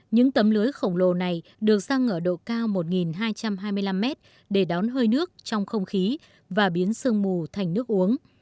những tấm lưới khổng lồ này được xăng ở độ cao một hai trăm hai mươi năm mét để đón hơi nước trong không khí và biến sương mù thành nước uống